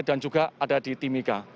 dan juga ada di timika